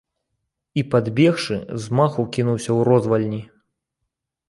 І, падбегшы, з маху кінуўся ў розвальні.